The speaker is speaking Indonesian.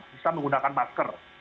bisa menggunakan masker